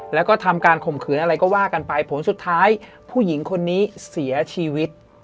แล้วก็ทำการข่มขืนอะไรก็ว่ากันไปผลสุดท้ายผู้หญิงคนนี้เสียชีวิต